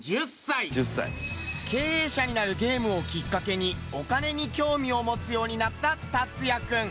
経営者になるゲームをきっかけにお金に興味を持つようになった達哉君。